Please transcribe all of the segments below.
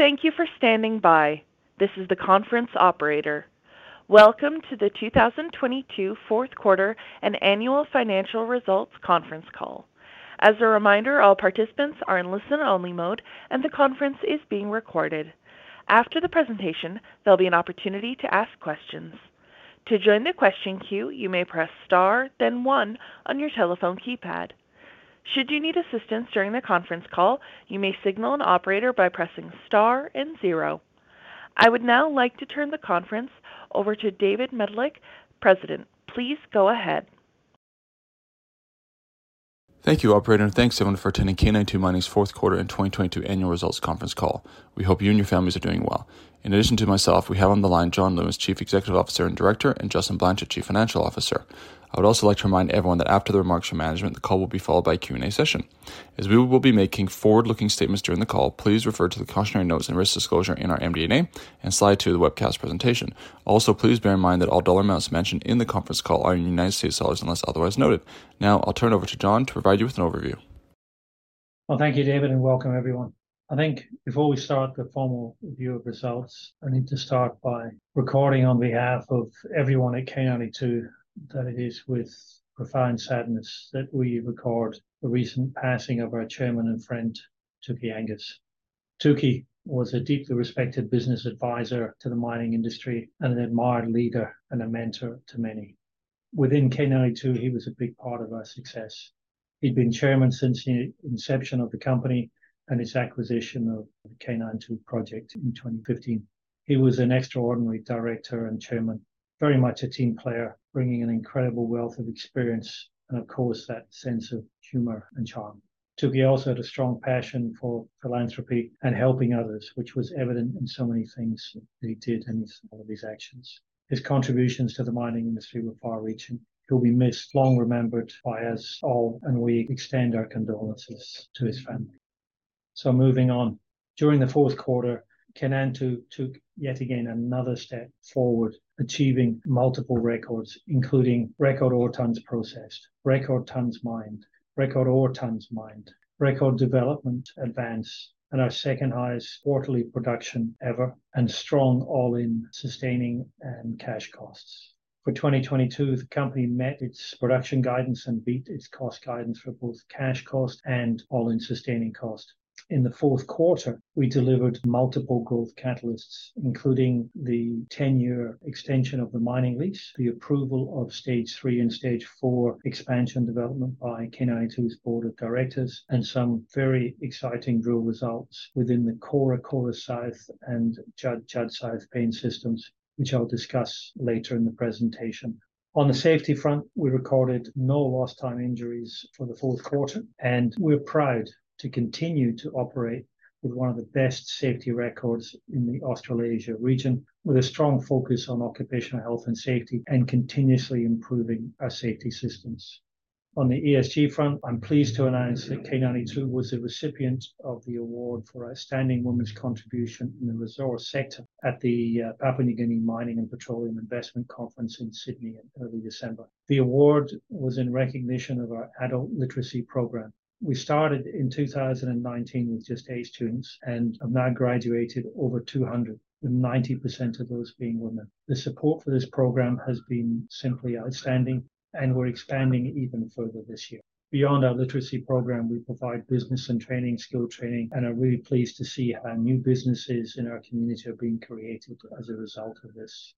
Thank you for standing by. This is the conference operator. Welcome to the 2022 fourth quarter and annual financial results conference call. As a reminder, all participants are in listen only mode and the conference is being recorded. After the presentation, there'll be an opportunity to ask questions. To join the question queue, you may "press star then one" on your telephone keypad. Should you need assistance during the conference call, you may signal an operator by "pressing star and zero". I would now like to turn the conference over to David Medilek, President. Please go ahead. Thank you, operator. Thanks everyone for attending K92 Mining's fourth quarter and 2022 annual results conference call. We hope you and your families are doing well. In addition to myself, we have on the line John Lewins, Chief Executive Officer and Director, and Justin Blanchet, Chief Financial Officer. I would also like to remind everyone that after the remarks from management, the call will be followed by a Q&A session. As we will be making forward-looking statements during the call, please refer to the cautionary notes and risk disclosure in our MD&A and slide two of the webcast presentation. Also, please bear in mind that all dollar amounts mentioned in the conference call are in United States dollars unless otherwise noted. Now I'll turn over to John to provide you with an overview. Well, thank you, David, welcome everyone. I think before we start the formal review of results, I need to start by recording on behalf of everyone at K92 that it is with profound sadness that we record the recent passing of our Chairman and friend, Tookie Angus. Tookie was a deeply respected business advisor to the mining industry and an admired leader and a mentor to many. Within K92, he was a big part of our success. He'd been Chairman since the inception of the company and its acquisition of the K92 project in 2015. He was an extraordinary Director and Chairman, very much a team player, bringing an incredible wealth of experience and of course, that sense of humor and charm. Tookie also had a strong passion for philanthropy and helping others, which was evident in so many things that he did and all of his actions. His contributions to the mining industry were far-reaching. He'll be missed, long remembered by us all, and we extend our condolences to his family. Moving on. During the fourth quarter, K92 took yet again another step forward, achieving multiple records, including record ore tons processed, record tons mined, record ore tons mined, record development advanced, and our second highest quarterly production ever and strong all-in sustaining and cash costs. For 2022, the company met its production guidance and beat its cost guidance for both cash cost and all-in sustaining cost. In the fourth quarter, we delivered multiple growth catalysts, including the 10-year extension of the Mining Lease, the approval of Stage 3 and Stage 4 expansion development by K92's board of directors, and some very exciting drill results within the Kora South and Judd South vein systems, which I'll discuss later in the presentation. On the safety front, we recorded no lost time injuries for the fourth quarter. We're proud to continue to operate with one of the best safety records in the Australasia region with a strong focus on occupational health and safety and continuously improving our safety systems. On the ESG front, I'm pleased to announce that K92 was the recipient of the award for Outstanding Women's Contribution in the Resource Sector at the Papua New Guinea Mining and Petroleum Investment Conference in Sydney in early December. The award was in recognition of our adult literacy program. We started in 2019 with just eight students and have now graduated over 200, with 90% of those being women. The support for this program has been simply outstanding, and we're expanding even further this year. Beyond our literacy program, we provide business and training, skill training, and are really pleased to see how new businesses in our community are being created as a result of this.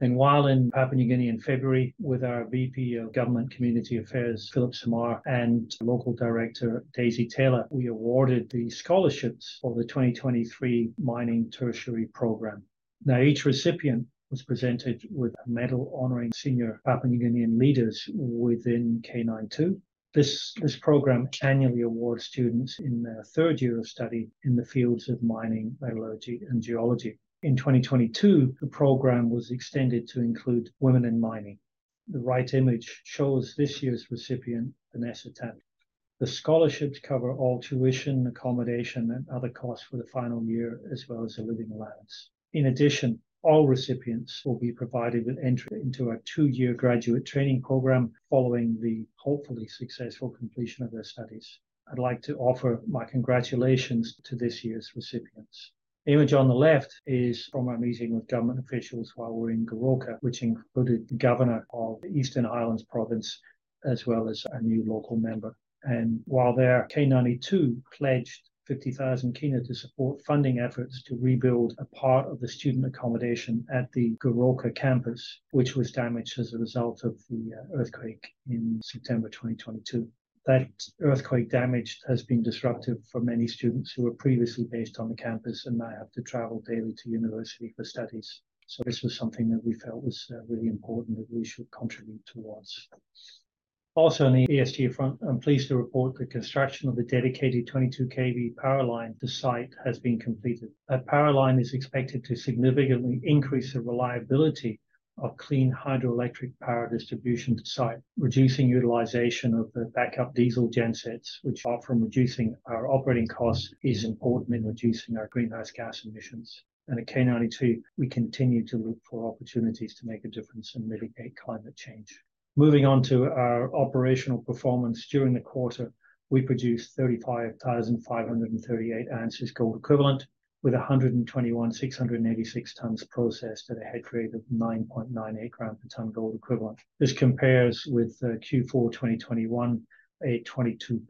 While in Papua New Guinea in February with our VP of Government Community Affairs Philip Samar and Local Director Daisy Taylor, we awarded the scholarships of the 2023 mining tertiary program. Each recipient was presented with a medal honoring senior Papua New Guinean leaders within K92. This program annually awards students in their 3rd year of study in the fields of mining, metallurgy, and geology. In 2022, the program was extended to include women in mining. The right image shows this year's recipient, Vanessa Tani. The scholarships cover all tuition, accommodation, and other costs for the final year, as well as a living allowance. In addition, all recipients will be provided with entry into a two-year graduate training program following the hopefully successful completion of their studies. I'd like to offer my congratulations to this year's recipients. The image on the left is from our meeting with government officials while we were in Goroka, which included the Governor of Eastern Highlands Province, as well as a new local member. While there, K92 pledged PGK 50,000 to support funding efforts to rebuild a part of the student accommodation at the Goroka campus, which was damaged as a result of the earthquake in September 2022. That earthquake damage has been disruptive for many students who were previously based on the campus and now have to travel daily to university for studies. This was something that we felt was really important that we should contribute towards. Also on the ESG front, I'm pleased to report the construction of the dedicated 22 kV power line to site has been completed. That power line is expected to significantly increase the reliability of clean hydroelectric power distribution to site, reducing utilization of the backup diesel gen sets, which apart from reducing our operating costs, is important in reducing our greenhouse gas emissions. At K92, we continue to look for opportunities to make a difference and mitigate climate change. Moving on to our operational performance. During the quarter, we produced 35,538 ounces gold equivalent with 121,686 tons processed at a head grade of 9.98 gram per ton gold equivalent. This compares with Q4 2021, a 22%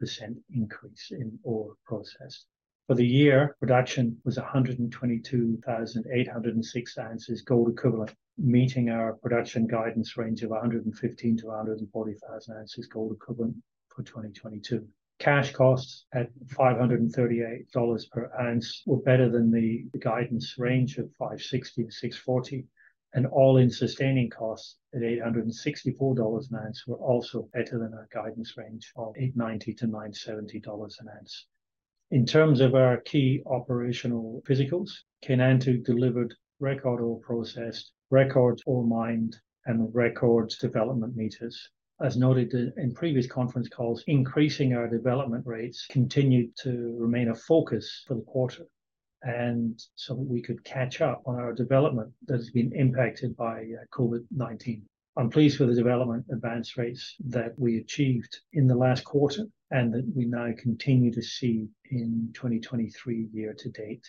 increase in ore processed. For the year, production was 122,806 ounces gold equivalent, meeting our production guidance range of 115,000-140,000 ounces gold equivalent for 2022. Cash costs at $538 per ounce were better than the guidance range of $560-$640, and all-in sustaining costs at $864 an ounce were also better than our guidance range of $890-$970 an ounce. In terms of our key operational physicals, Kainantu delivered record ore processed, records ore mined, and records development meters. As noted in previous conference calls, increasing our development rates continued to remain a focus for the quarter, and so we could catch up on our development that has been impacted by COVID-19. I'm pleased with the development advance rates that we achieved in the last quarter and that we now continue to see in 2023 year to date.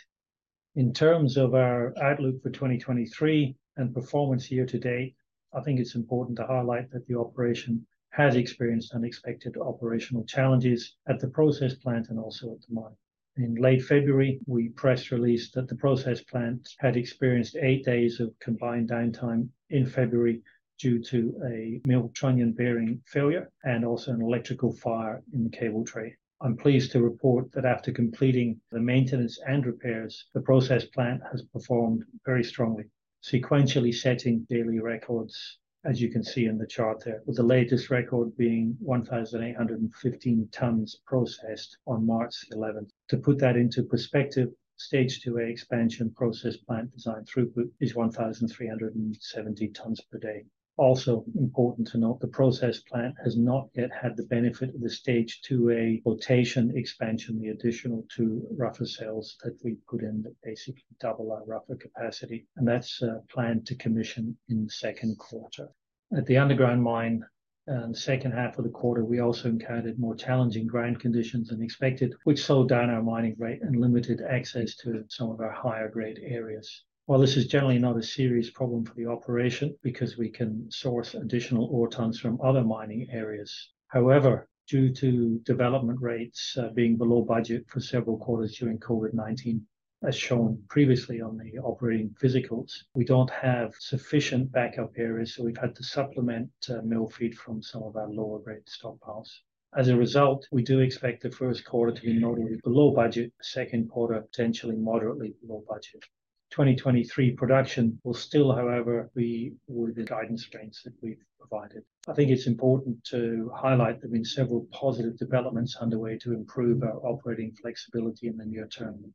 In terms of our outlook for 2023 and performance year to date, I think it's important to highlight that the operation has experienced unexpected operational challenges at the process plant and also at the mine. In late February, we press released that the process plant had experienced eight days of combined downtime in February due to a mill trunnion bearing failure and also an electrical fire in the cable tray. I'm pleased to report that after completing the maintenance and repairs, the process plant has performed very strongly, sequentially setting daily records, as you can see in the chart there, with the latest record being 1,815 tons processed on March 11th. To put that into perspective, Stage 2A expansion process plant design throughput is 1,370 tons per day. Also important to note, the process plant has not yet had the benefit of the Stage 2A Flotation Expansion, the additional two rougher cells that we put in that basically double our rougher capacity, and that's planned to commission in the second quarter. At the underground mine, in the second half of the quarter, we also encountered more challenging ground conditions than expected, which slowed down our mining rate and limited access to some of our higher-grade areas. While this is generally not a serious problem for the operation because we can source additional ore tons from other mining areas, however, due to development rates being below budget for several quarters during COVID-19, as shown previously on the operating physicals, we don't have sufficient backup areas, so we've had to supplement mill feed from some of our lower-grade stockpiles. As a result, we do expect the first quarter to be moderately below budget, second quarter potentially moderately below budget. 2023 production will still, however, be within guidance range that we've provided. I think it's important to highlight there's been several positive developments underway to improve our operating flexibility in the near term.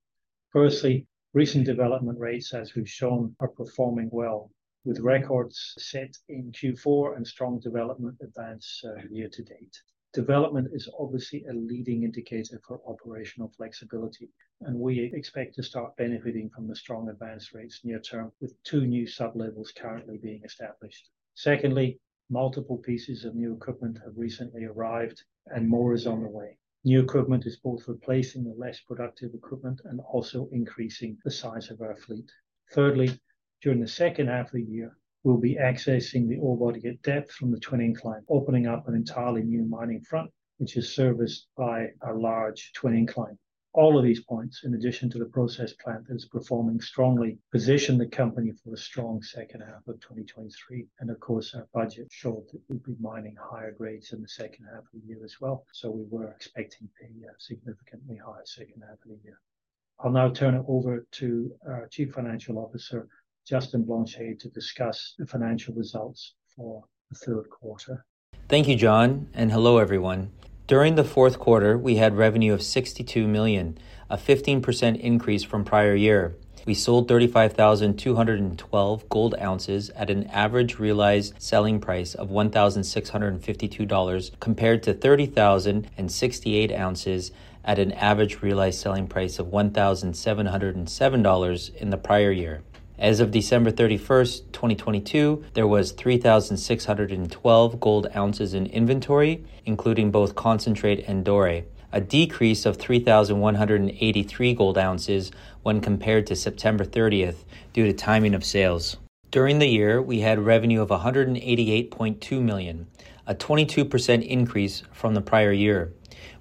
Firstly, recent development rates, as we've shown, are performing well, with records set in Q4 and strong development advance year to date. Development is obviously a leading indicator for operational flexibility, and we expect to start benefiting from the strong advance rates near term, with two new sub-levels currently being established. Secondly, multiple pieces of new equipment have recently arrived, and more is on the way. New equipment is both replacing the less productive equipment and also increasing the size of our fleet. Thirdly, during the second half of the year, we'll be accessing the ore body at depth from the Twin Incline, opening up an entirely new mining front, which is serviced by a large Twin Incline. All of these points, in addition to the process plant that is performing strongly, position the company for a strong second half of 2023, and of course, our budget showed that we'd be mining higher grades in the second half of the year as well, so we were expecting a significantly higher second half of the year. I'll now turn it over to our Chief Financial Officer, Justin Blanchet, to discuss the financial results for the 3rd quarter. Thank you, John, and hello, everyone. During the fourth quarter, we had revenue of $62 million, a 15% increase from prior year. We sold 35,212 gold ounces at an average realized selling price of $1,652, compared to 30,068 ounces at an average realized selling price of $1,707 in the prior year. As of December 31st, 2022, there was 3,612 gold ounces in inventory, including both concentrate and doré, a decrease of 3,183 gold ounces when compared to September 30th due to timing of sales. During the year, we had revenue of $188.2 million, a 22% increase from the prior year.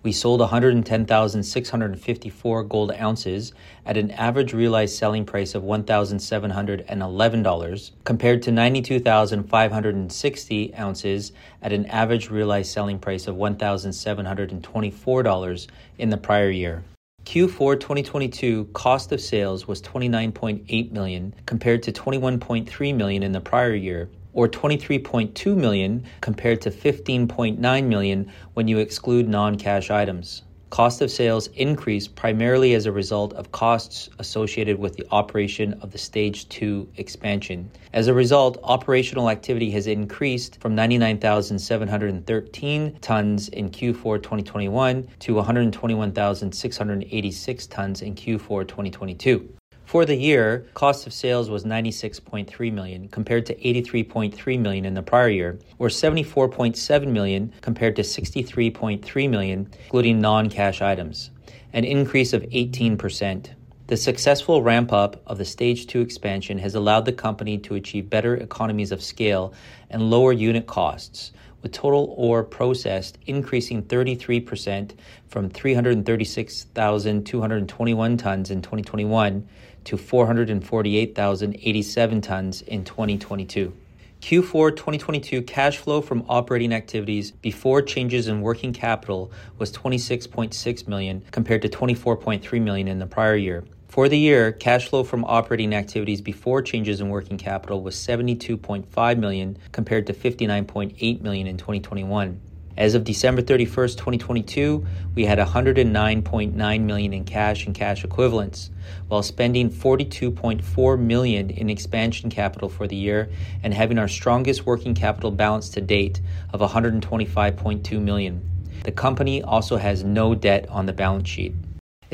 We sold 110,654 gold ounces at an average realized selling price of $1,711, compared to 92,560 ounces at an average realized selling price of $1,724 in the prior year. Q4 2022 cost of sales was $29.8 million, compared to $21.3 million in the prior year, or $23.2 million, compared to $15.9 million when you exclude non-cash items. Cost of sales increased primarily as a result of costs associated with the operation of the Stage 2 expansion. Operational activity has increased from 99,713 tons in Q4 2021 to 121,686 tons in Q4 2022. For the year, cost of sales was $96.3 million, compared to $83.3 million in the prior year, or $74.7 million compared to $63.3 million, including non-cash items. An increase of 18%. The successful ramp-up of the Stage 2 expansion has allowed the company to achieve better economies of scale and lower unit costs, with total ore processed increasing 33% from 336,221 tons in 2021 to 448,087 tons in 2022. Q4 2022 cash flow from operating activities before changes in working capital was $26.6 million, compared to $24.3 million in the prior year. For the year, cash flow from operating activities before changes in working capital was $72.5 million, compared to $59.8 million in 2021. As of December 31st, 2022, we had $109.9 million in cash and cash equivalents, while spending $42.4 million in expansion capital for the year and having our strongest working capital balance to date of $125.2 million. The company also has no debt on the balance sheet.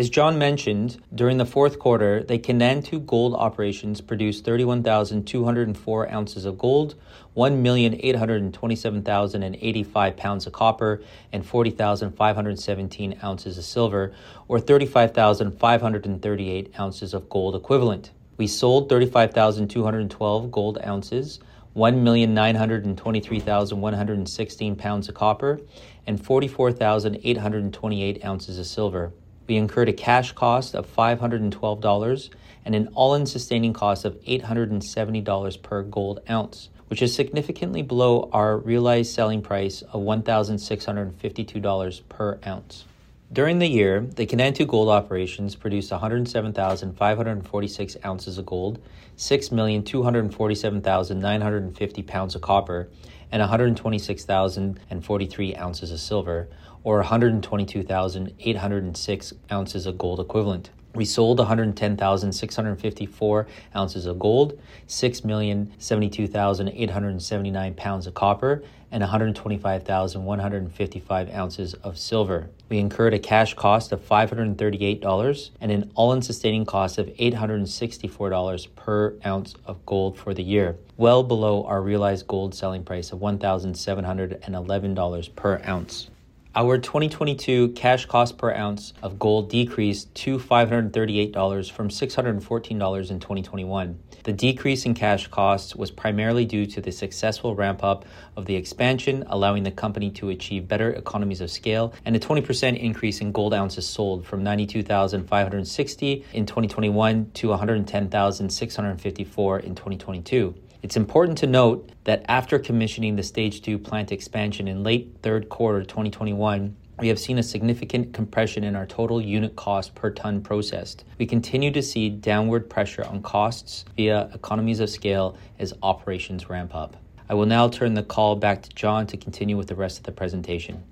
As John mentioned, during the fourth quarter, the Kainantu Gold operations produced 31,204 ounces of gold, 1,827,085 pounds of copper, and 40,517 ounces of silver, or 35,538 ounces of gold equivalent. We sold 35,212 gold ounces, 1,923,116 pounds of copper, and 44,828 ounces of silver. We incurred a cash cost of $512 and an all-in sustaining cost of $870 per gold ounce, which is significantly below our realized selling price of $1,652 per ounce. During the year, the Kainantu gold operations produced 107,546 ounces of gold, 6,247,950 pounds of copper, and 126,043 ounces of silver, or 122,806 ounces of gold equivalent. We sold 110,654 ounces of gold, 6,072,879 pounds of copper, and 125,155 ounces of silver. We incurred a cash cost of $538 and an all-in sustaining cost of $864 per ounce of gold for the year, well below our realized gold selling price of $1,711 per ounce. Our 2022 cash cost per ounce of gold decreased to $538 from $614 in 2021. The decrease in cash costs was primarily due to the successful ramp-up of the expansion, allowing the company to achieve better economies of scale, and a 20% increase in gold ounces sold from 92,560 in 2021 to 110,654 in 2022. It's important to note that after commissioning the Stage 2 plant expansion in late third quarter 2021, we have seen a significant compression in our total unit cost per ton processed. We continue to see downward pressure on costs via economies of scale as operations ramp up. I will now turn the call back to John to continue with the rest of the presentation.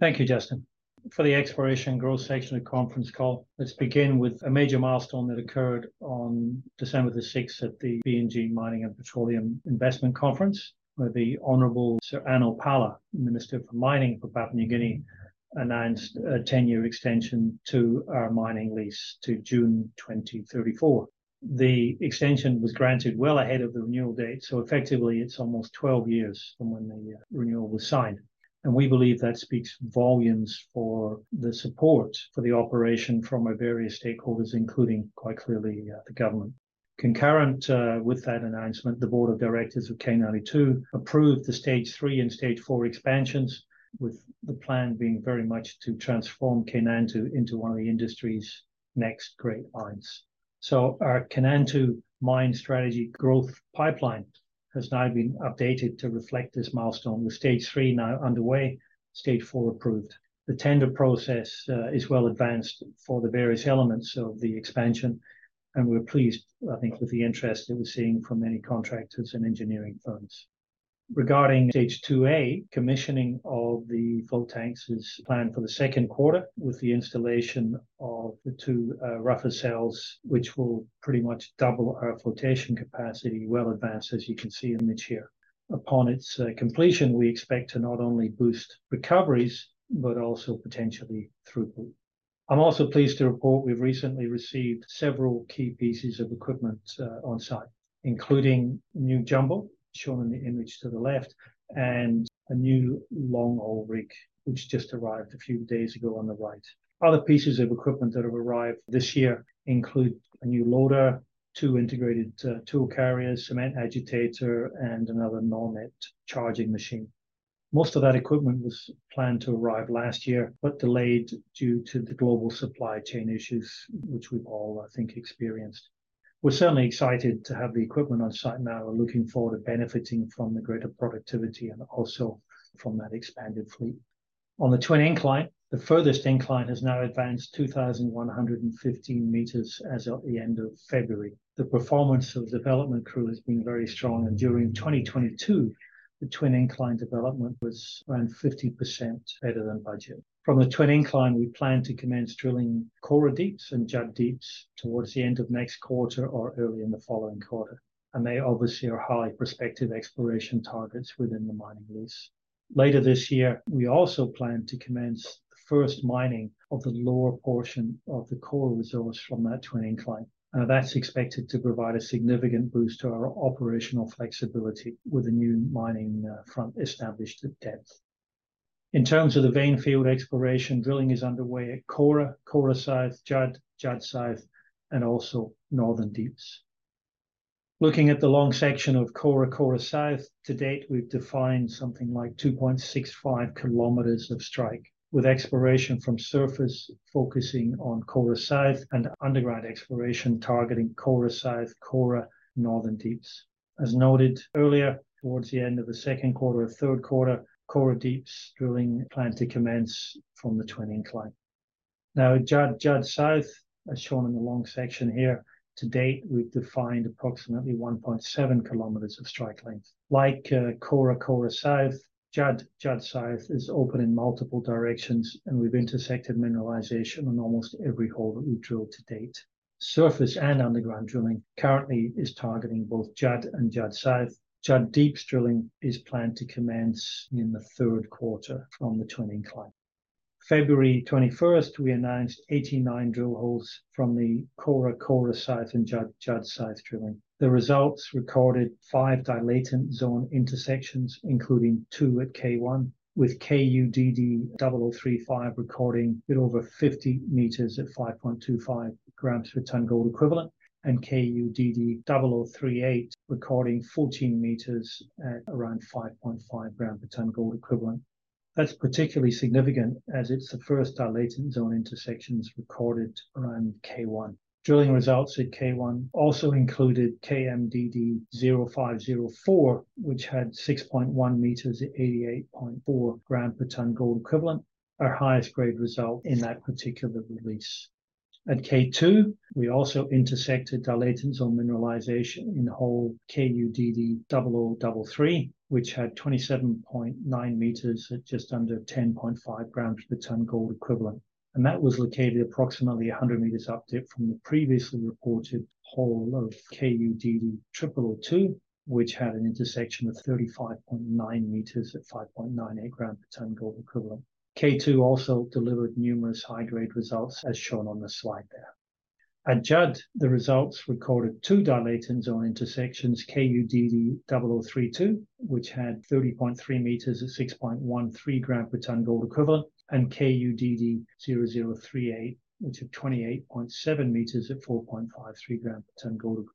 Thank you, Justin. For the Exploration Growth section of the conference call, let's begin with a major milestone that occurred on December 6 at the PNG Mining and Petroleum Investment Conference, where the Honorable Sir Ano Pala, Minister for Mining, Government of Papua New Guinea, announced a 10-year extension to our Mining Lease to June 2034. The extension was granted well ahead of the renewal date, so effectively, it's almost 12 years from when the renewal was signed. We believe that speaks volumes for the support for the operation from our various stakeholders, including, quite clearly, the government. Concurrent with that announcement, the board of directors of K92 approved the Stage 3 and Stage 4 expansions, with the plan being very much to transform Kainantu into one of the industry's next great mines. Our Kainantu mine strategy growth pipeline has now been updated to reflect this milestone, with Stage 3 now underway, Stage 4 approved. The tender process is well advanced for the various elements of the expansion, and we're pleased, I think, with the interest that we're seeing from many contractors and engineering firms. Regarding Stage 2A, commissioning of the flotation tanks is planned for the second quarter, with the installation of the two rougher cells, which will pretty much double our flotation capacity, well advanced as you can see in the chart. Upon its completion, we expect to not only boost recoveries, but also potentially throughput. I'm also pleased to report we've recently received several key pieces of equipment on-site, including new jumbo, shown in the image to the left, and a new long hole rig, which just arrived a few days ago on the right. Other pieces of equipment that have arrived this year include a new loader, two integrated tool carriers, cement agitator, and another Normet charging machine. Most of that equipment was planned to arrive last year, delayed due to the global supply chain issues, which we've all, I think, experienced. We're certainly excited to have the equipment on-site now. We're looking forward to benefiting from the greater productivity and also from that expanded fleet. On the Twin Incline, the furthest incline has now advanced 2,115 meters as at the end of February. The performance of the development crew has been very strong, during 2022, the Twin Incline development was around 50% better than budget. From the Twin Incline, we plan to commence drilling Kora Deeps and Judd Deeps towards the end of next quarter or early in the following quarter. They obviously are highly prospective exploration targets within the Mining Lease. Later this year, we also plan to commence the first mining of the lower portion of the Kora resource from that Twin Incline. That's expected to provide a significant boost to our operational flexibility with a new mining front established at depth. In terms of the vein field exploration, drilling is underway at Kora South, Judd South, and also Northern Deeps. Looking at the long section of Kora South, to date, we've defined something like 2.65 kilometers of strike, with exploration from surface focusing on Kora South and underground exploration targeting Kora South, Kora, Northern Deeps. As noted earlier, towards the end of the second quarter or third quarter, Kora Deeps drilling planned to commence from the Twin Incline. At Judd South, as shown in the long section here, to date, we've defined approximately 1.7 kilometers of strike length. Like Kora South, Judd South is open in multiple directions, and we've intersected mineralization on almost every hole that we've drilled to date. Surface and underground drilling currently is targeting both Judd and Judd South. Judd Deeps drilling is planned to commence in the third quarter from the Twin Incline. February 21st, we announced 89 drill holes from the Kora South, and Judd South drilling. The results recorded five dilatant zone intersections, including two at K1, with KUDD0035 recording a bit over 50 meters at 5.25 grams per ton gold equivalent, and KUDD0038 recording 14 meters at around 5.5 grams per ton gold equivalent. That's particularly significant as it's the first dilatant zone intersections recorded around K1. Drilling results at K1 also included KMDD0504, which had 6.1 meters at 88.4 grams per ton gold equivalent, our highest grade result in that particular release. At K2, we also intersected dilatant zone mineralization in hole KUDD0033, which had 27.9 meters at just under 10.5 grams per ton gold equivalent. That was located approximately 100 meters up dip from the previously reported hole of KUDD0002, which had an intersection of 35.9 meters at 5.98 grams per ton gold equivalent. K2 also delivered numerous high-grade results, as shown on the slide there. At Judd, the results recorded two dilatant zone intersections, KUDD0032, which had 30.3 meters at 6.13 grams per ton gold equivalent, and KUDD0038, which had 28.7 meters at 4.53 grams per ton gold equivalent.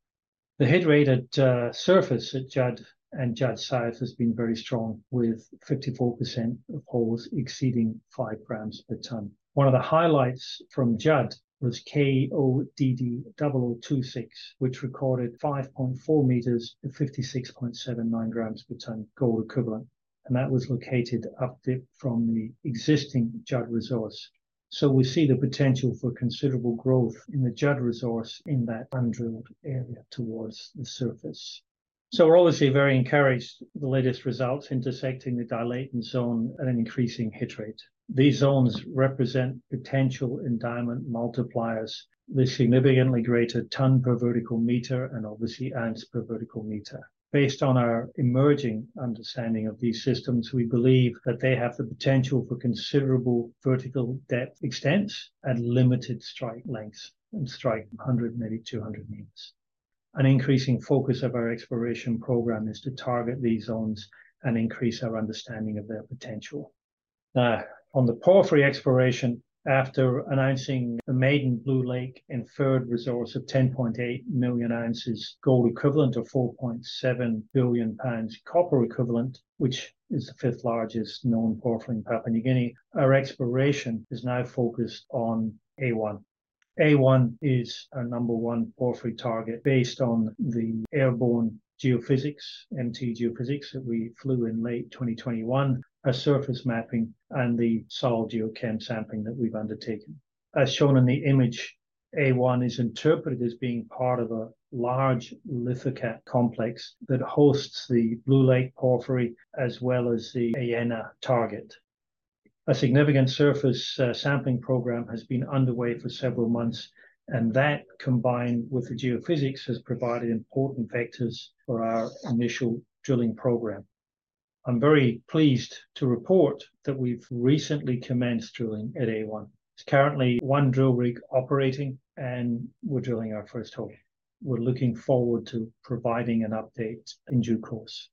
The hit rate at surface at Judd and Judd South has been very strong, with 54% of holes exceeding five grams per ton. One of the highlights from Judd was KODD0026, which recorded 5.4 meters at 56.79 grams per ton gold equivalent, and that was located up dip from the existing Judd resource. We see the potential for considerable growth in the Judd resource in that undrilled area towards the surface. We're obviously very encouraged with the latest results intersecting the dilatant zone at an increasing hit rate. These zones represent potential endowment multipliers with significantly greater ton per vertical meter and obviously ounce per vertical meter. Based on our emerging understanding of these systems, we believe that they have the potential for considerable vertical depth extents and limited strike lengths and strike 100, maybe 200 meters. An increasing focus of our exploration program is to target these zones and increase our understanding of their potential. On the porphyry exploration, after announcing the maiden Blue Lake inferred resource of 10.8 million ounces gold equivalent or 4.7 billion pounds copper equivalent, which is the fifth largest known porphyry in Papua New Guinea, our exploration is now focused on A1. A1 is our number one porphyry target based on the airborne geophysics, MT geophysics that we flew in late 2021, our surface mapping, and the soil geochem sampling that we've undertaken. As shown in the image, A1 is interpreted as being part of a large lithocap complex that hosts the Blue Lake Porphyry as well as the Ayena target. A significant surface sampling program has been underway for several months, and that combined with the geophysics has provided important vectors for our initial drilling program. I'm very pleased to report that we've recently commenced drilling at A1. There's currently 1 drill rig operating, and we're drilling our first hole. We're looking forward to providing an update in due course.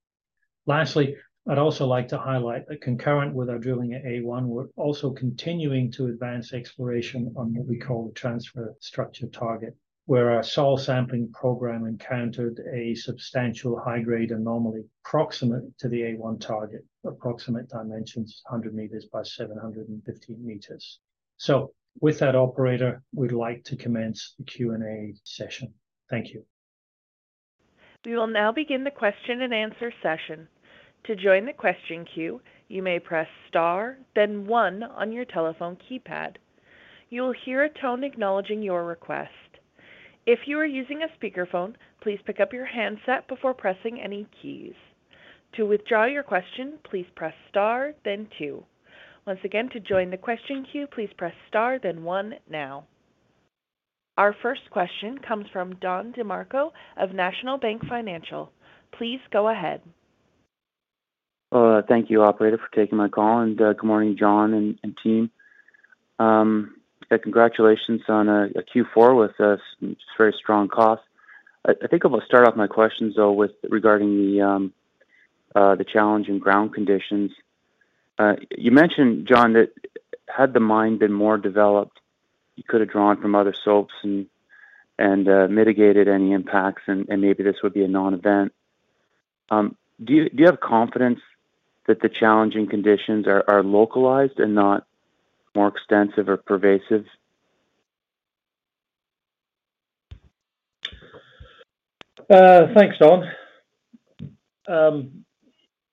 Lastly, I'd also like to highlight that concurrent with our drilling at A1, we're also continuing to advance exploration on what we call the transfer structure target, where our soil sampling program encountered a substantial high-grade anomaly proximate to the A1 target. Approximate dimensions, 100 meters by 715 meters. With that, operator, we'd like to commence the Q&A session. Thank you. We will now begin the question and answer session. To join the question queue, you may "press star then one" on your telephone keypad. You will hear a tone acknowledging your request. If you are using a speakerphone, please pick up your handset before pressing any keys. To withdraw your question, "please press star then two". Once again, to join the question queue, "please press star then one" now. Our first question comes from Don DeMarco of National Bank Financial. Please go ahead. Thank you, operator, for taking my call, and good morning, John and team. Congratulations on a Q4 with some very strong costs. I think I'm gonna start off my questions though with regarding the challenge in ground conditions. You mentioned, John, that had the mine been more developed, you could have drawn from other stopes and mitigated any impacts and maybe this would be a non-event. Do you have confidence that the challenging conditions are localized and not more extensive or pervasive? Thanks, Don.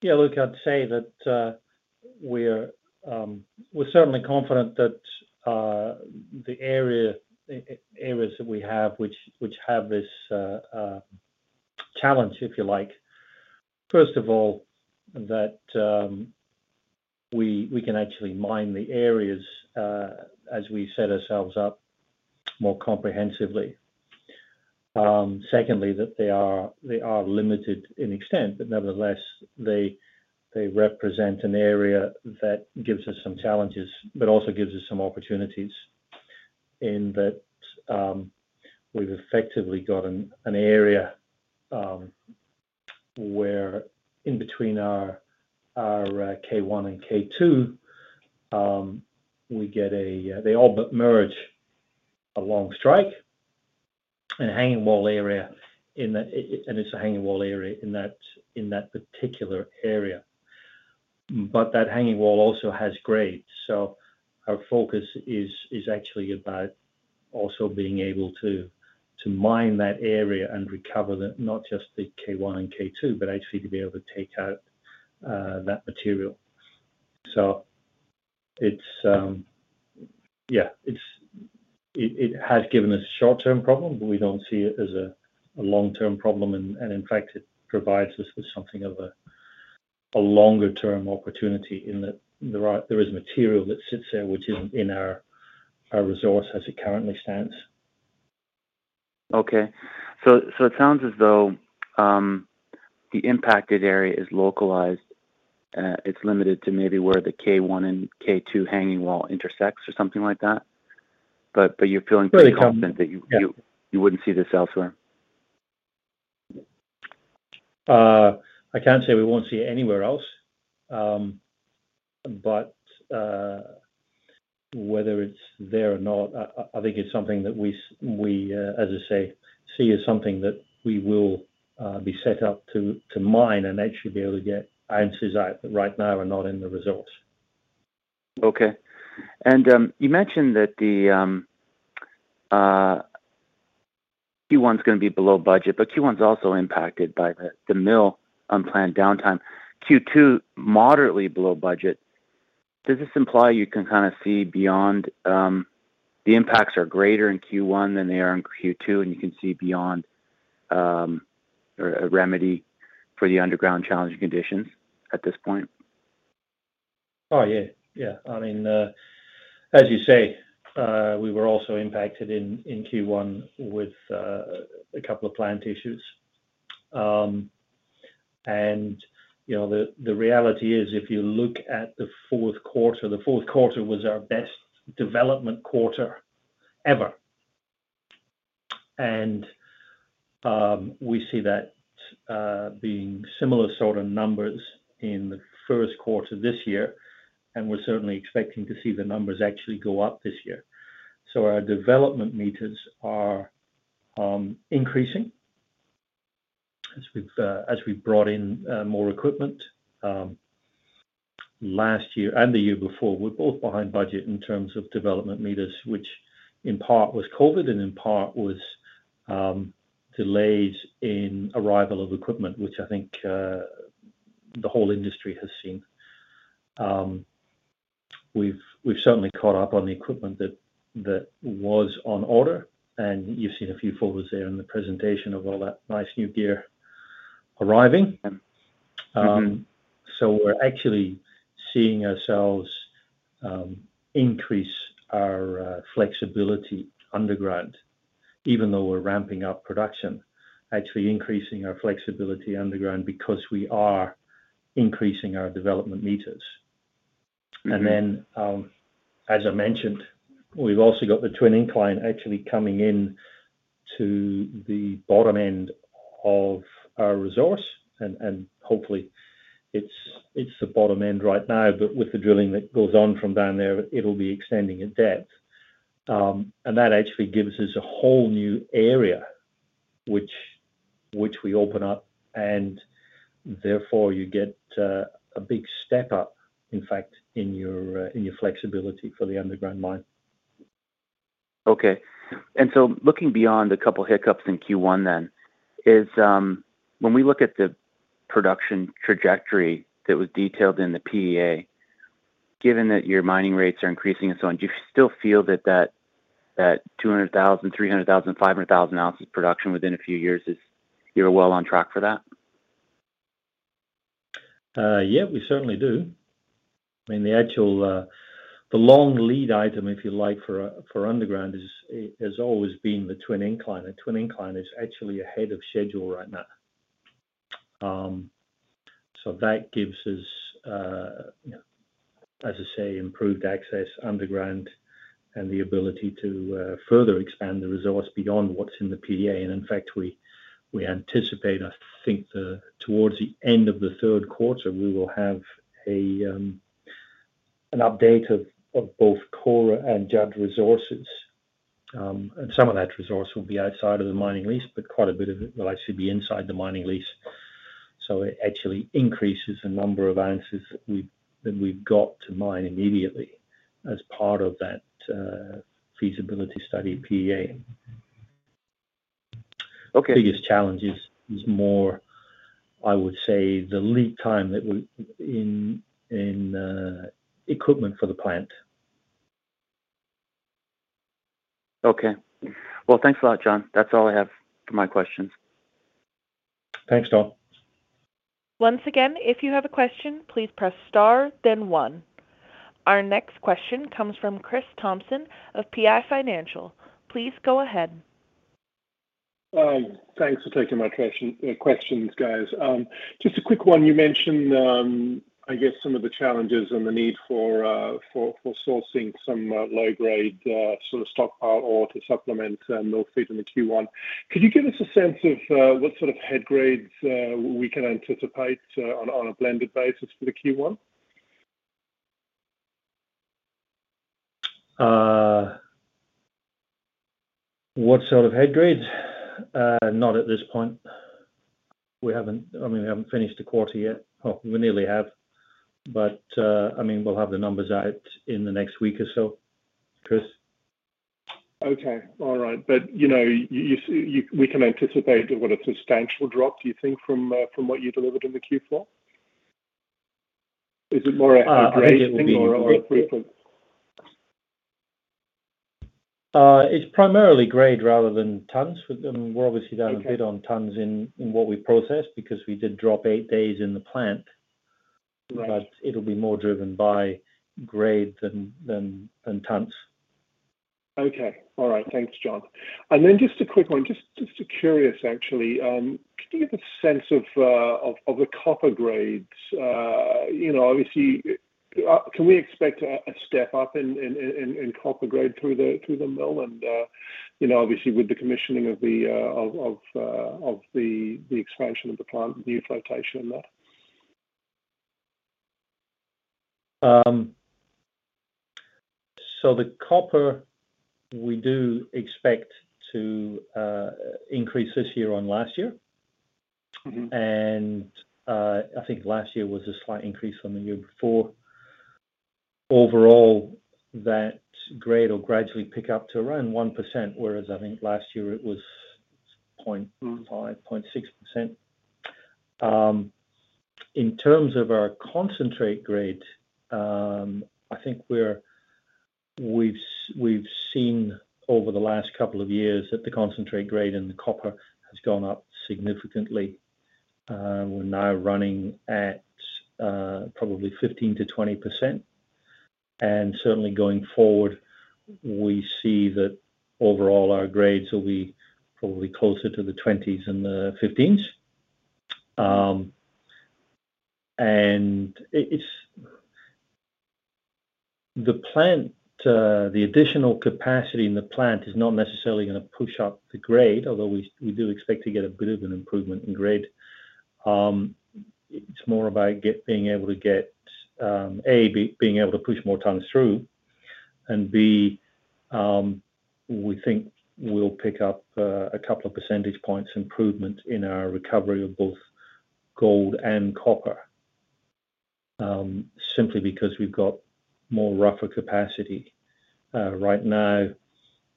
Yeah, look, I'd say that we're certainly confident that the areas that we have, which have this challenge, if you like. First of all, that we can actually mine the areas as we set ourselves up more comprehensively. Secondly, that they are limited in extent, but nevertheless they represent an area that gives us some challenges, but also gives us some opportunities in that we've effectively got an area where in between our K1 and K2, we get a they all but merge along strike and a hanging wall area in that and it's a hanging wall area in that, in that particular area. That hanging wall also has grade. Our focus is actually about also being able to mine that area and recover the, not just the K one and K two, but actually to be able to take out that material. Yeah, it has given us a short-term problem, but we don't see it as a long-term problem. In fact it provides us with something of a longer term opportunity in that there is material that sits there which isn't in our resource as it currently stands. It sounds as though the impacted area is localized. It's limited to maybe where the K1 and K2 hanging wall intersects or something like that. You're feeling. Very confident. pretty confident that you wouldn't see this elsewhere? I can't say we won't see it anywhere else. Whether it's there or not, I think it's something that we as I say, see as something that we will be set up to mine and actually be able to get answers out that right now are not in the results. Okay. You mentioned that the Q1's gonna be below budget, but Q1's also impacted by the mill unplanned downtime. Q2 moderately below budget. Does this imply you can kinda see beyond the impacts are greater in Q1 than they are in Q2, and you can see beyond or a remedy for the underground challenging conditions at this point? Oh, yeah. Yeah. I mean, as you say, we were also impacted in Q1 with a couple of plant issues. You know, the reality is if you look at the fourth quarter, the fourth quarter was our best development quarter ever. We see that being similar sort of numbers in the first quarter this year, and we're certainly expecting to see the numbers actually go up this year. Our development meters are increasing as we've brought in more equipment last year and the year before. We're both behind budget in terms of development meters, which in part was COVID and in part was delays in arrival of equipment, which I think the whole industry has seen. We've certainly caught up on the equipment that was on order. You've seen a few photos there in the presentation of all that nice new gear arriving. We're actually seeing ourselves, increase our flexibility underground, even though we're ramping up production. Actually increasing our flexibility underground because we are increasing our development meters. As I mentioned, we've also got the Twin Incline actually coming in to the bottom end of our resource and hopefully it's the bottom end right now, but with the drilling that goes on from down there, it'll be extending in depth. That actually gives us a whole new area which we open up and therefore you get a big step up, in fact, in your flexibility for the underground mine. Okay. looking beyond a couple hiccups in Q1 then, is, when we look at the production trajectory that was detailed in the PEA, given that your mining rates are increasing and so on, do you still feel that 200,000, 300,000, 500,000 ounces production within a few years is, you're well on track for that? Yeah, we certainly do. I mean, the actual, the long lead item, if you like, for underground is, has always been the Twin Incline. The Twin Incline is actually ahead of schedule right now. So that gives us, you know, as I say, improved access underground and the ability to further expand the resource beyond what's in the PDA. In fact, we anticipate, I think, towards the end of the third quarter, we will have an update of both Kora and Judd resources. Some of that resource will be outside of the Mining Lease, but quite a bit of it will actually be inside the Mining Lease. It actually increases the number of ounces that we've got to mine immediately as part of that feasibility study PDA. Okay. The biggest challenge is more, I would say, the lead time that we, in, equipment for the plant. Okay. Well, thanks a lot, John. That's all I have for my questions. Thanks, Don. Once again, if you have a question, please press star then one. Our next question comes from Chris Thompson of PI Financial. Please go ahead. Thanks for taking my questions, guys. Just a quick one. You mentioned, I guess some of the challenges and the need for sourcing some low-grade sort of stockpile ore to supplement mill feed in the Q1. Could you give us a sense of what sort of head grades we can anticipate on a blended basis for the Q1? What sort of head grades? Not at this point. We haven't finished the quarter yet. We nearly have. We'll have the numbers out in the next week or so, Chris. Okay. All right. you know, we can anticipate, what, a substantial drop, do you think, from what you delivered in the Q4? Is it more a grade thing or a throughput? It's primarily grade rather than tons. We're obviously down- Okay a bit on tons in what we processed because we did drop 8 days in the plant. Right. It'll be more driven by grade than tons. Okay. All right. Thanks, John. Just a quick one, just curious, actually. Could you give a sense of the copper grades? You know, obviously, can we expect a step up in copper grade through the mill and, you know, obviously with the commissioning of the expansion of the plant, the new flotation and that? The copper, we do expect to increase this year on last year. I think last year was a slight increase from the year before. Overall, that grade will gradually pick up to around 1%, whereas I think last year it was 0.5. 0.6%. In terms of our concentrate grade, I think we've seen over the last couple of years that the concentrate grade in the copper has gone up significantly. We're now running at probably 15%-20%. Certainly going forward, we see that overall our grades will be probably closer to the 20s and the 15s. The plant, the additional capacity in the plant is not necessarily gonna push up the grade, although we do expect to get a bit of an improvement in grade. It's more about being able to get A, being able to push more tons through. B, we think we'll pick up a couple of percentage points improvement in our recovery of both gold and copper, simply because we've got more rougher capacity. Right now,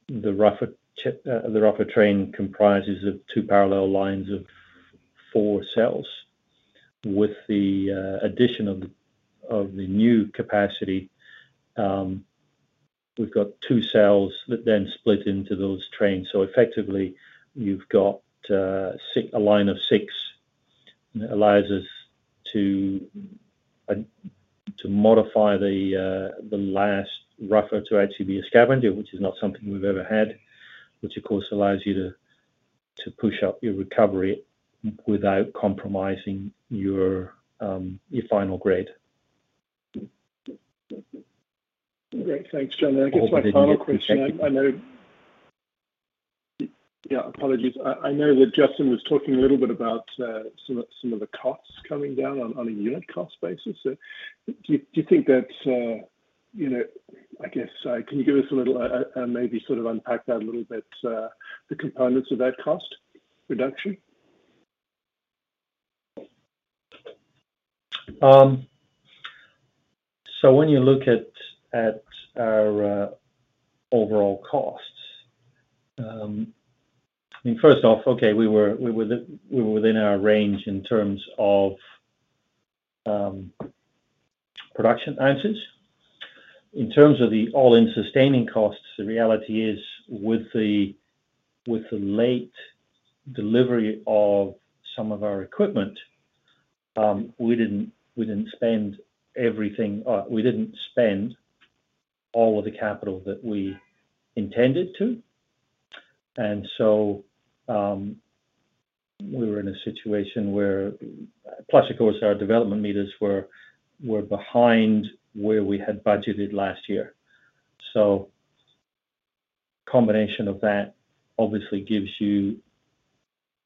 the rougher train comprises of two parallel lines of four cells. With the addition of the new capacity, we've got two cells that then split into those trains. Effectively, you've got six, a line of six that allows us to modify the last rougher to actually be a scavenger, which is not something we've ever had. Which of course allows you to push up your recovery without compromising your final grade. Great. Thanks, John. I guess my final question- Whether you get the effective. I know. Yeah. Apologies. I know that Justin was talking a little bit about some of the costs coming down on a unit cost basis. Do you think that, you know, I guess, can you give us a little, maybe sort of unpack that a little bit, the components of that cost reduction? When you look at our overall costs, first off, we were within our range in terms of production ounces. In terms of the all-in sustaining costs, the reality is with the late delivery of some of our equipment, we didn't spend everything. We didn't spend all of the capital that we intended to. We were in a situation. Plus, of course, our development meters were behind where we had budgeted last year. Combination of that obviously gives you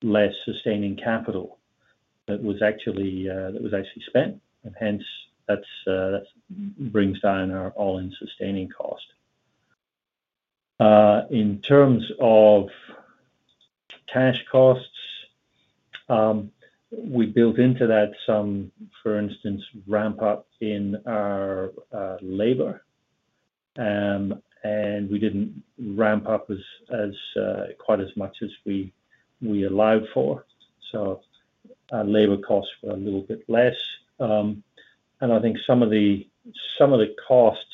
less sustaining capital that was actually spent, and hence that's that brings down our all-in sustaining cost. In terms of cash costs, we built into that some, for instance, ramp up in our labor, and we didn't ramp up as quite as much as we allowed for. Our labor costs were a little bit less. I think some of the, some of the costs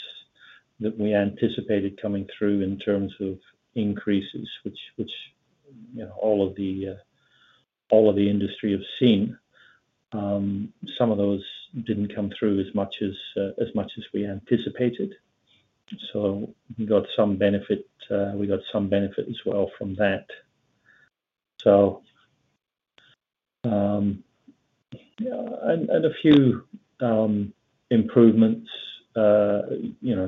that we anticipated coming through in terms of increases, which, you know, all of the, all of the industry have seen, some of those didn't come through as much as we anticipated. We got some benefit, we got some benefit as well from that. A few improvements, you know,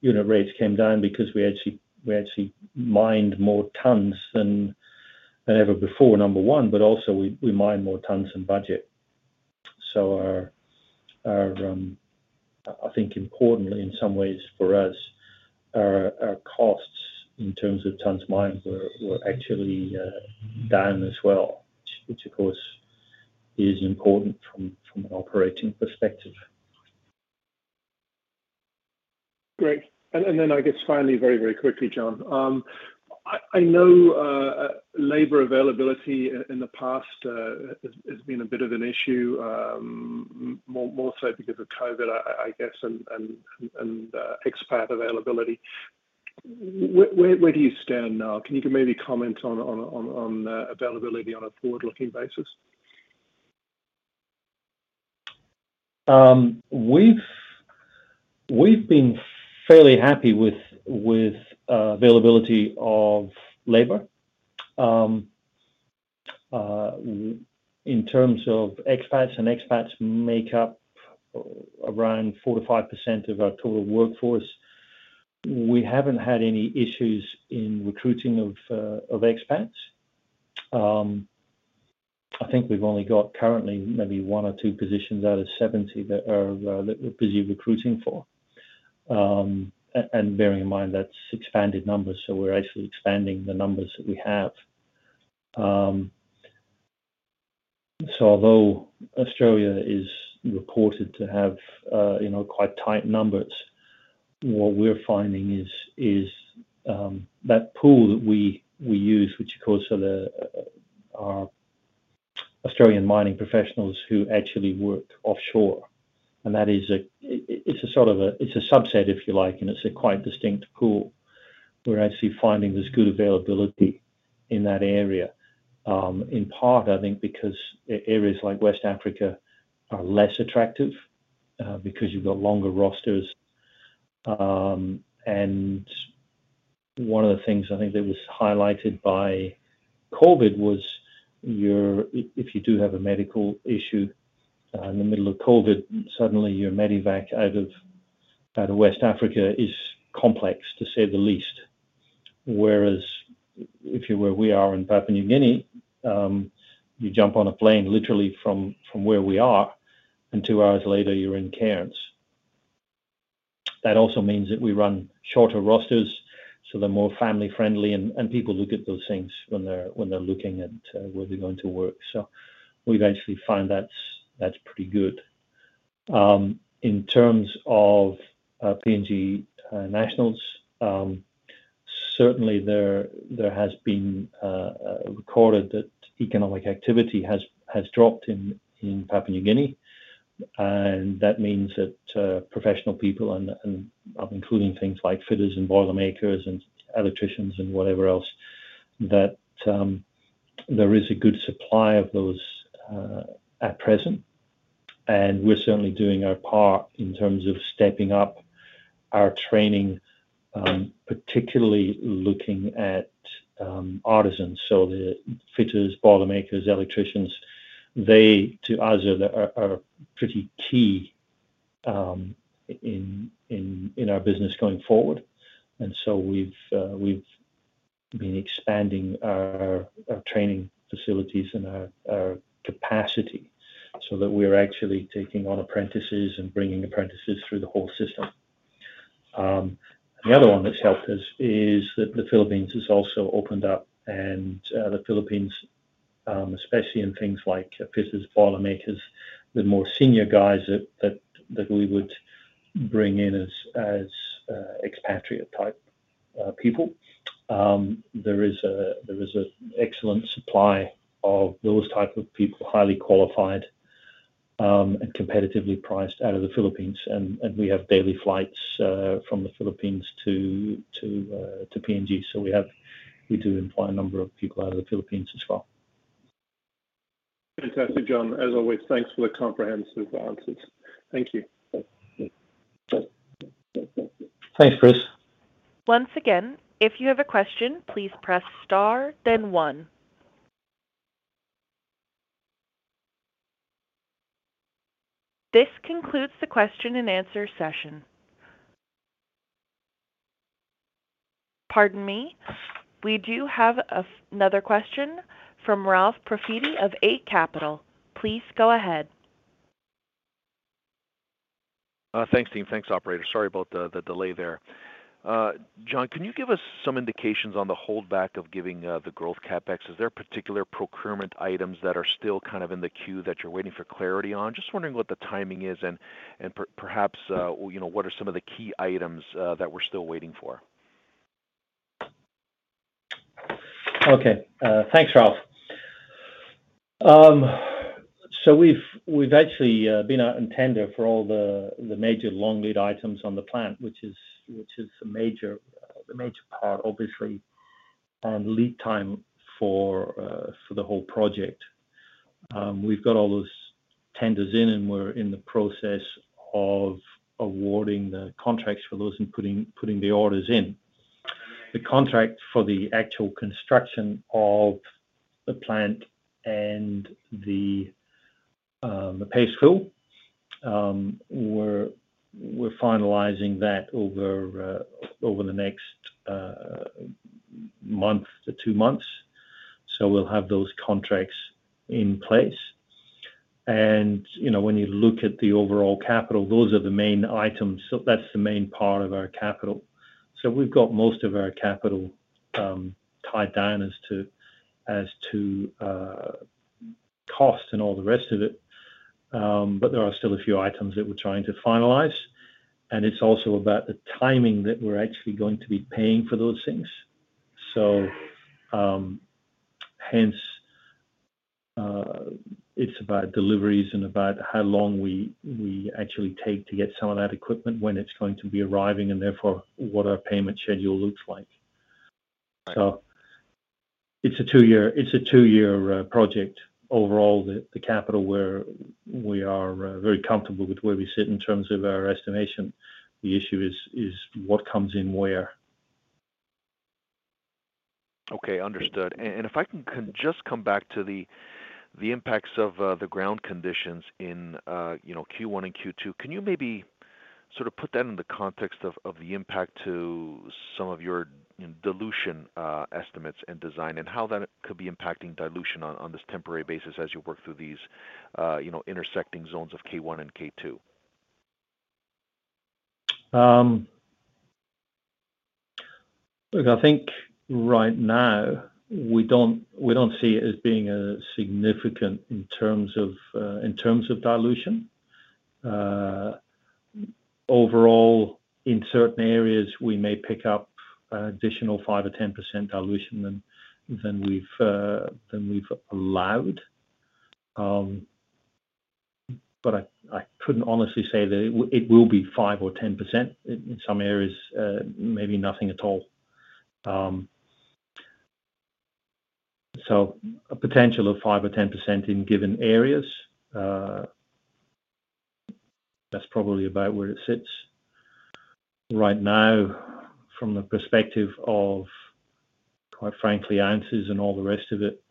unit rates came down because we actually, we actually mined more tonnes than ever before, number one, but also we mined more tonnes than budget. Our, I think importantly in some ways for us, our costs in terms of tonnes mined were actually down as well, which of course is important from an operating perspective. Great. Then I guess finally, very quickly, John. I know labor availability in the past has been a bit of an issue, more so because of COVID, I guess, and expat availability. Where do you stand now? Can you give maybe comment on availability on a forward-looking basis? We've been fairly happy with availability of labor. In terms of expats and expats make up around 4% to 5% of our total workforce. We haven't had any issues in recruiting of expats. I think we've only got currently maybe one or two positions out of 70 that are that we're busy recruiting for. Bearing in mind, that's expanded numbers, so we're actually expanding the numbers that we have. Although Australia is reported to have, you know, quite tight numbers, what we're finding is that pool that we use, which of course are Australian mining professionals who actually work offshore. That is a sort of a subset, if you like, and it's a quite distinct pool. We're actually finding there's good availability in that area, in part, I think, because areas like West Africa are less attractive, because you've got longer rosters. One of the things I think that was highlighted by COVID was if you do have a medical issue, in the middle of COVID, suddenly your medevac out of West Africa is complex, to say the least. Whereas if you're where we are in Papua New Guinea, you jump on a plane literally from where we are, and two hours later you're in Cairns. That also means that we run shorter rosters, so they're more family-friendly, and people look at those things when they're looking at, where they're going to work. We've actually found that's pretty good. In terms of PNG nationals, certainly there has been recorded that economic activity has dropped in Papua New Guinea. That means that professional people and including things like fitters and boiler makers and electricians and whatever else, there is a good supply of those at present. We're certainly doing our part in terms of stepping up our training, particularly looking at artisans. The fitters, boiler makers, electricians, they to us are pretty key in our business going forward. We've been expanding our training facilities and our capacity so that we're actually taking on apprentices and bringing apprentices through the whole system. The other one that's helped us is that the Philippines has also opened up. The Philippines, especially in things like fitters, boiler makers, the more senior guys that we would bring in as expatriate type people. There is an excellent supply of those type of people, highly qualified, and competitively priced out of the Philippines. We have daily flights from the Philippines to PNG. We do employ a number of people out of the Philippines as well. Fantastic, John. As always, thanks for the comprehensive answers. Thank you. Thanks, Chris. Once again, if you have a question, "please press star then one". This concludes the question and answer session. Pardon me. We do have another question from Ralph Profiti of Eight Capital. Please go ahead. Thanks team. Thanks operator. Sorry about the delay there. John, can you give us some indications on the hold back of giving the growth CapEx? Is there particular procurement items that are still kind of in the queue that you're waiting for clarity on? Just wondering what the timing is and perhaps, you know, what are some of the key items that we're still waiting for? Okay. Thanks Ralph. We've actually been out in tender for all the major long lead items on the plant, which is a major the major part obviously, and lead time for the whole project. We've got all those tenders in, we're in the process of awarding the contracts for those and putting the orders in. The contract for the actual construction of the plant and the paste fill. We're finalizing that over the next one month to two months. We'll have those contracts in place. You know, when you look at the overall capital, those are the main items. That's the main part of our capital. We've got most of our capital tied down as to cost and all the rest of it. There are still a few items that we're trying to finalize, and it's also about the timing that we're actually going to be paying for those things. Hence, it's about deliveries and about how long we actually take to get some of that equipment when it's going to be arriving, and therefore what our payment schedule looks like. It's a two year project overall. The capital we are very comfortable with where we sit in terms of our estimation. The issue is what comes in where. Okay. Understood. If I can just come back to the impacts of the ground conditions in, you know, Q1 and Q2. Can you maybe sort of put that in the context of the impact to some of your dilution estimates and design and how that could be impacting dilution on this temporary basis as you work through these, you know, intersecting zones of K1 and K2? Look, I think right now we don't see it as being a significant in terms of dilution. Overall in certain areas we may pick up additional 5% or 10% dilution than we've allowed. I couldn't honestly say that it will be 5% or 10% in some areas, maybe nothing at all. A potential of 5% or 10% in given areas, that's probably about where it sits right now from the perspective of quite frankly answers and all the rest of it.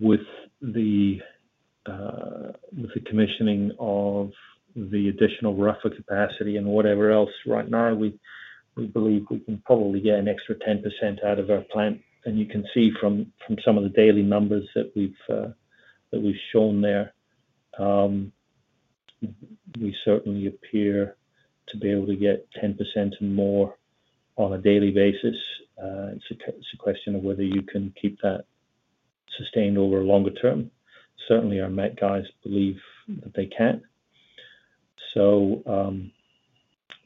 With the commissioning of the additional rougher capacity and whatever else right now, we believe we can probably get an extra 10% out of our plant. You can see from some of the daily numbers that we've that we've shown there, we certainly appear to be able to get 10% and more on a daily basis. It's a question of whether you can keep that sustained over a longer term. Certainly our met guys believe that they can.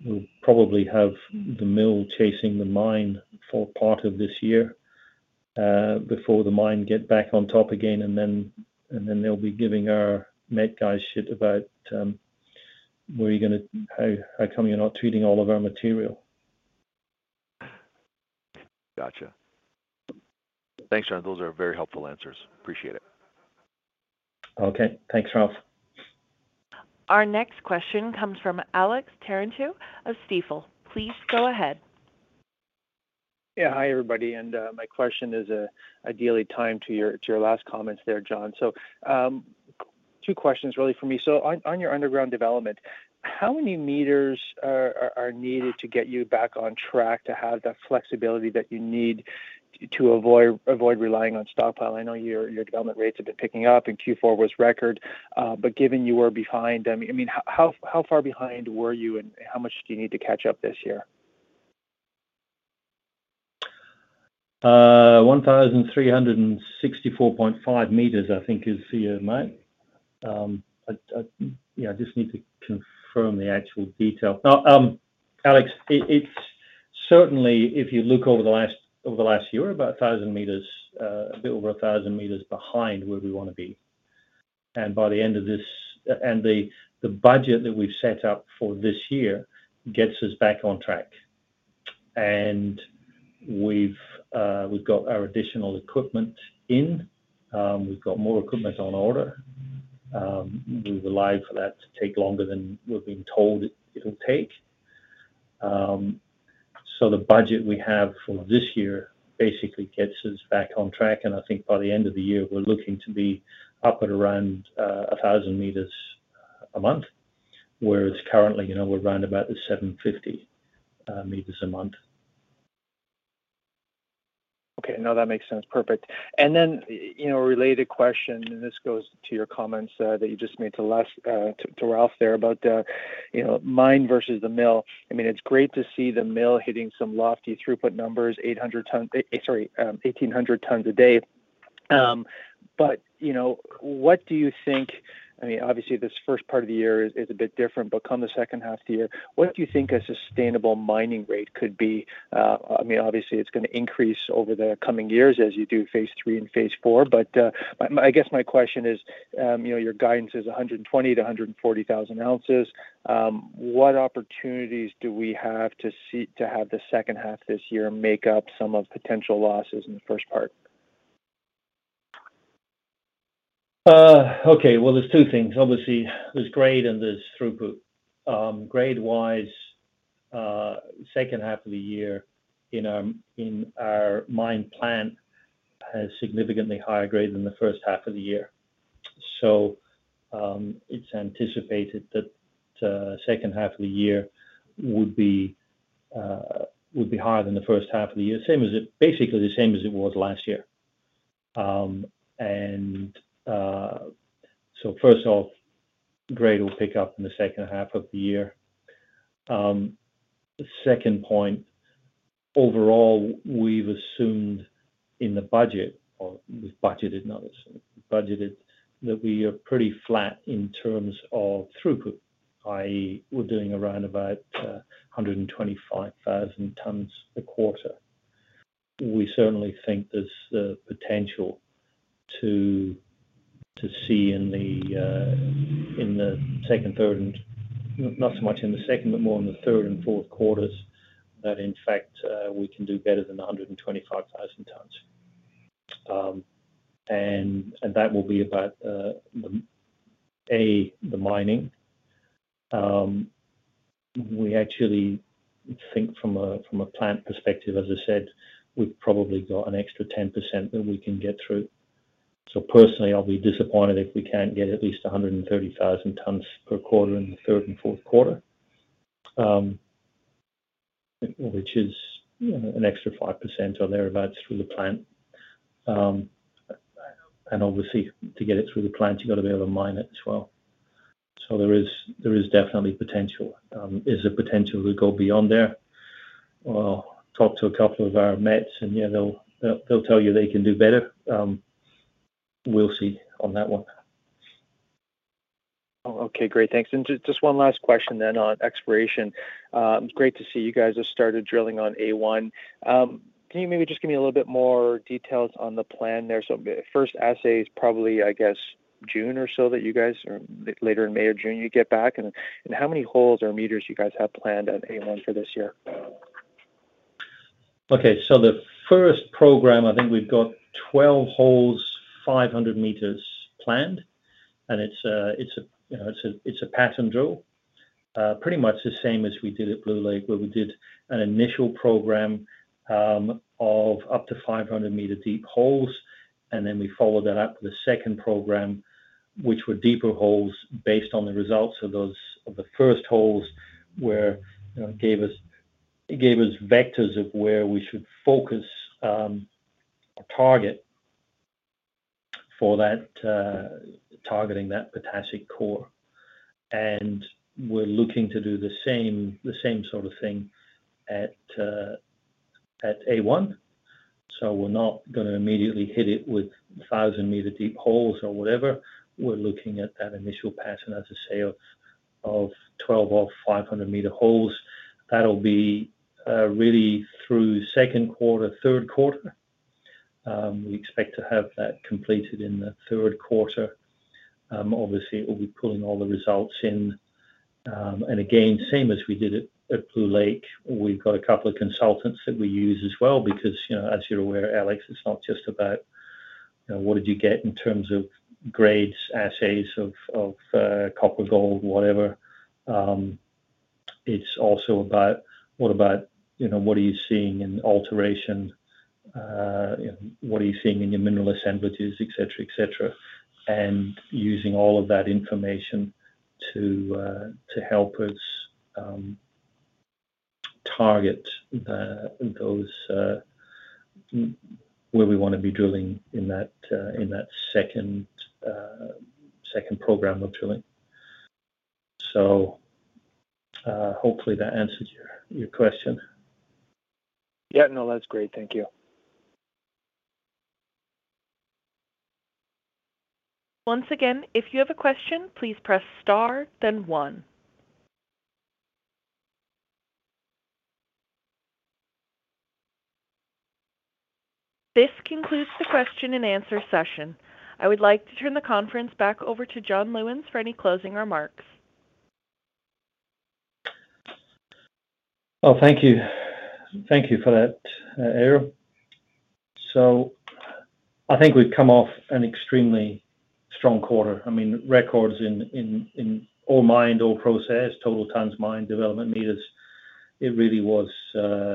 We'll probably have the mill chasing the mine for part of this year, before the mine get back on top again. And then they'll be giving our met guys should but, how come you're not treating all of our material? Gotcha. Thanks, John. Those are very helpful answers. Appreciate it. Okay. Thanks, Ralph. Our next question comes from Alex Terentiew of Stifel. Please go ahead. Yeah. Hi everybody. My question is ideally timed to your last comments there, John. Two questions really for me. On your underground development, how many meters are needed to get you back on track to have that flexibility that you need to avoid relying on stockpile? I know your development rates have been picking up and Q four was record, given you were behind, I mean how far behind were you and how much do you need to catch up this year? 1,364.5 meters I think is the amount. I just need to confirm the actual detail now. Alex, it's certainly, if you look over the last, over the last year, about 1,000 meters, a bit over 1,000 meters behind where we want to be. The budget that we've set up for this year gets us back on track. We've got our additional equipment in. We've got more equipment on order. We've allowed for that to take longer than we've been told it'll take. The budget we have for this year basically gets us back on track. I think by the end of the year, we're looking to be up at around 1,000 meters a month. Whereas currently, you know, we're around about the 750 meters a month. Okay. No, that makes sense. Perfect. Then, you know, a related question, and this goes to your comments, that you just made to Ralph there about, you know, mine versus the mill. I mean, it's great to see the mill hitting some lofty throughput numbers, 1,800 tons a day. You know, what do you think... I mean, obviously this first part of the year is a bit different, but come the second half of the year, what do you think a sustainable mining rate could be? I mean, obviously it's gonna increase over the coming years as you do phase 3 and phase 4. I guess my question is, you know, your guidance is 120,000-140,000 ounces. What opportunities do we have to have the second half this year make up some of potential losses in the first part? Okay. Well, there's two things. Obviously, there's grade and there's throughput. Grade-wise, second half of the year in our mine plan has significantly higher grade than the first half of the year. It's anticipated that the second half of the year would be higher than the first half of the year. Basically the same as it was last year. First off, grade will pick up in the second half of the year. The second point, overall, we've assumed in the budget or we've budgeted, not assumed, budgeted that we are pretty flat in terms of throughput, i.e., we're doing around about 125,000 tons a quarter. We certainly think there's the potential to see in the second, third, not so much in the second, more in the third and fourth quarters that in fact, we can do better than the 125,000 tons. That will be about the mining. We actually think from a plant perspective, as I said, we've probably got an extra 10% that we can get through. Personally, I'll be disappointed if we can't get at least 130,000 tons per quarter in the third and fourth quarter, which is, you know, an extra 5% or thereabout through the plant. Obviously to get it through the plant, you've got to be able to mine it as well. There is definitely potential. Is the potential to go beyond there? Well, talk to a couple of our mets, yeah, they'll tell you they can do better. We'll see on that one. Okay. Great. Thanks. Just one last question then on exploration. It's great to see you guys have started drilling on A1. Can you maybe just give me a little bit more details on the plan there? First assay is probably, I guess, June or so that you guys later in May or June, you get back. How many holes or meters you guys have planned on A1 for this year? Okay. The first program, I think we've got 12 holes, 500 meters planned. It's a, you know, it's a pattern drill. pretty much the same as we did at Blue Lake where we did an initial program, of up to 500-meter deep holes, and then we followed that up with a second program, which were deeper holes based on the results of those, of the first holes where, you know, it gave us vectors of where we should focus, our target for that, targeting that potassic core. We're looking to do the same sort of thing at A1. We're not gonna immediately hit it with a 1,000-meter deep holes or whatever. We're looking at that initial pattern, as I say, of 12 of 500-meter holes. That'll be really through second quarter, third quarter. We expect to have that completed in the third quarter. Obviously, we'll be pulling all the results in. Again, same as we did at Blue Lake. We've got a couple of consultants that we use as well because, you know, as you're aware, Alex, it's not just about, you know, what did you get in terms of grades, assays of copper, gold, whatever. It's also about what about, you know, what are you seeing in alteration, what are you seeing in your mineral assemblages, et cetera, et cetera. Using all of that information to help us target those where we wanna be drilling in that second program of drilling. Hopefully, that answers your question. Yeah, no, that's great. Thank you. Once again, if you have a question, please press star then one. This concludes the question and answer session. I would like to turn the conference back over to John Lewins for any closing remarks. Thank you. Thank you for that, Ariel. I think we've come off an extremely strong quarter. I mean, records in all mine, all process, total tons mined, development meters. It really was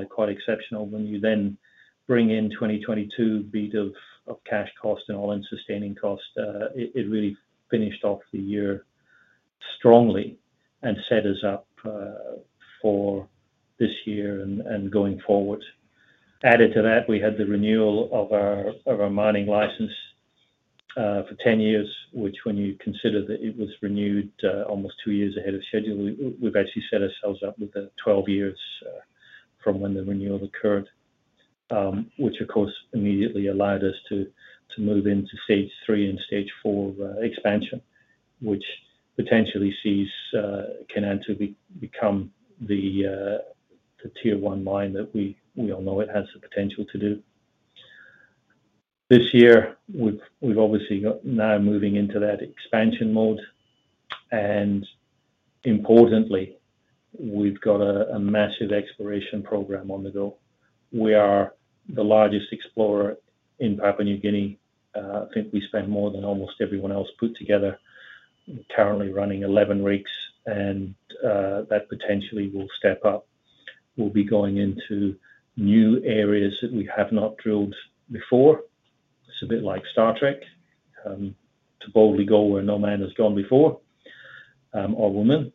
quite exceptional. When you bring in 2022 beat of cash cost and all-in sustaining cost, it really finished off the year strongly and set us up for this year and going forward. Added to that, we had the renewal of our mining license for 10 years, which when you consider that it was renewed almost two years ahead of schedule, we've actually set ourselves up with 12 years from when the renewal occurred. Which of course immediately allowed us to move into Stage 3 and Stage 4 of expansion, which potentially sees Kainantu become the tier one mine that we all know it has the potential to do. This year, we've obviously got now moving into that expansion mode. Importantly, we've got a massive exploration program on the go. We are the largest explorer in Papua New Guinea. I think we spend more than almost everyone else put together. Currently running 11 rigs and that potentially will step up. We'll be going into new areas that we have not drilled before. It's a bit like Star Trek, to boldly go where no man has gone before, or woman.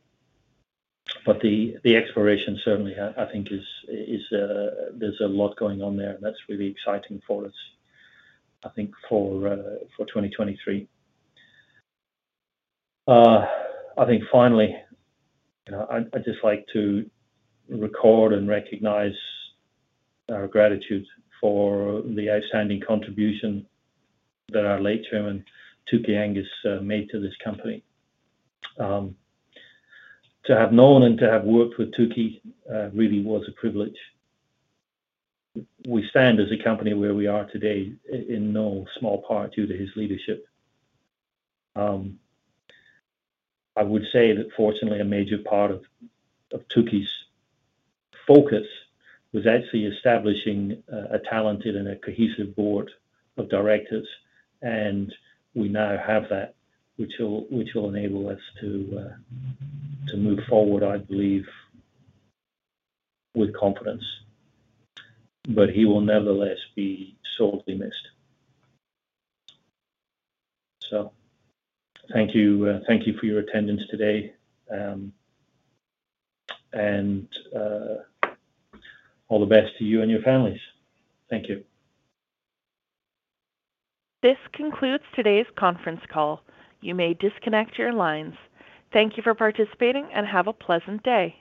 The, the exploration certainly I think is, there's a lot going on there, and that's really exciting for us, I think for 2023. I think finally, you know, I'd just like to record and recognize our gratitude for the outstanding contribution that our late chairman, Tookie Angus, made to this company. To have known and to have worked with Tookie, really was a privilege. We stand as a company where we are today in no small part due to his leadership. I would say that fortunately a major part of Tookie's focus was actually establishing a talented and a cohesive board of directors, and we now have that, which will enable us to move forward, I believe, with confidence. He will nevertheless be sorely missed. Thank you. Thank you for your attendance today. All the best to you and your families. Thank you. This concludes today's conference call. You may disconnect your lines. Thank you for participating, and have a pleasant day.